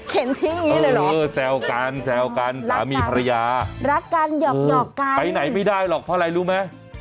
เห็นที่นี้เลยเหรอเออแซวกันแซวกันสามีภรรยารักกันหยอกกันไปไหนไม่ได้หรอกเพราะอะไรรู้ไหม